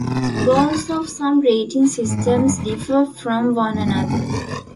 Goals of some rating systems differ from one another.